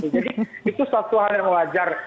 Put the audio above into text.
jadi itu suatu hal yang wajar